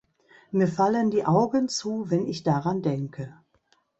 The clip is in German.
Mir fallen die Augen zu, wenn ich daran denke.